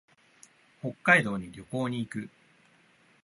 北海道に旅行に行く。